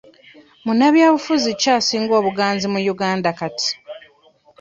Munnabyabufuzi ki asinga obuganzi mu Uganda kati?